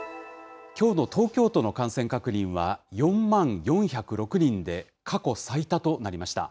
きょうの東京都の感染確認は４万４０６人で、過去最多となりました。